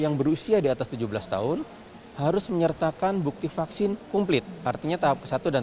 yang berusia di atas tujuh belas tahun harus menyertakan bukti vaksin komplit artinya tahap satu dan